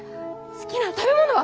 好きな食べ物は？